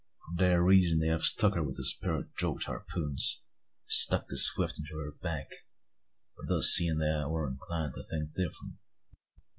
For that reason they have struck her with this pair o' drogued harpoons; and stuck this whift into her back. On fust seein' that, I war inclined to think different.